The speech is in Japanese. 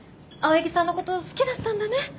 青柳さんのこと好きだったんだね。